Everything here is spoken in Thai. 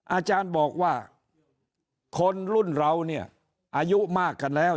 อาจารย์บอกว่าคนรุ่นเราเนี่ยอายุมากกันแล้ว